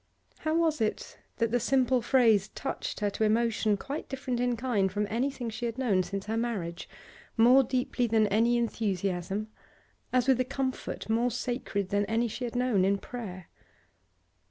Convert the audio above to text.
How was it that the simple phrase touched her to emotion quite different in kind from any thing she had known since her marriage, more deeply than any enthusiasm, as with a comfort more sacred than any she had known in prayer?